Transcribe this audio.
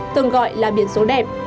từng gọi là biển số đẹp